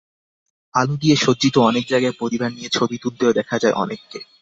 আলো দিয়ে সজ্জিত অনেক জায়গায় পরিবার নিয়ে ছবি তুলতেও দেখা যায় অনেককে।